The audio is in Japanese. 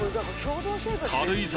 軽井沢